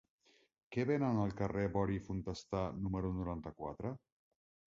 Què venen al carrer de Bori i Fontestà número noranta-quatre?